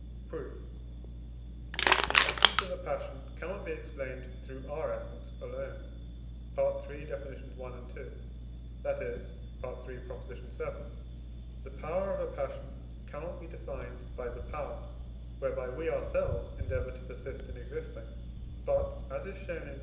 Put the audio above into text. Proof. The essence of a passion cannot be explained through our essence alone (III. Deff. i. and ii.), that is (III. vii.), the power of a passion cannot be defined by the power, whereby we ourselves endeavour to persist in existing, but (as is shown in II.